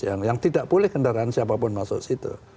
yang tidak boleh kendaraan siapapun masuk situ